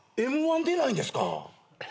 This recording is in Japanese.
Ｍ−１出ないんですか？